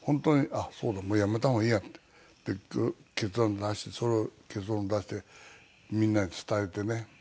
もうやめた方がいいやって決断出してそれを結論出してみんなに伝えてね